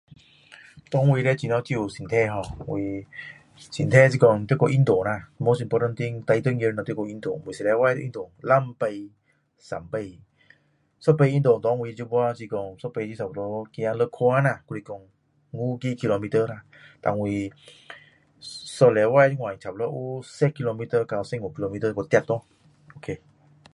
给我叻怎样照顾身体好我身体是讲要去运动啦没什么特别的最重要的是说是每个礼拜运动两次三次一次运动给我现在是说一次差不多走六圈啦还是说5个 kilometer 然后我一个星期这样差不多有10到15 kilometer 去跑咯 ok